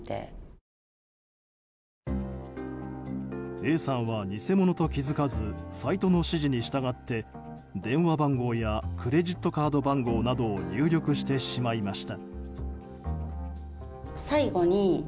Ａさんは偽物と気づかずサイトの指示に従って電話番号やクレジットカード番号などを入力してしまいました。